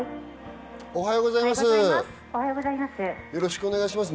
おはようございます。